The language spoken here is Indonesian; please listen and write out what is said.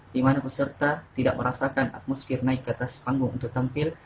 di mana peserta tidak merasakan atmosfer naik ke atas panggung untuk tampil